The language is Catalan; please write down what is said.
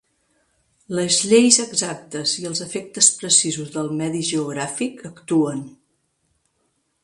Les lleis exactes i els efectes precisos del medi geogràfic actuen.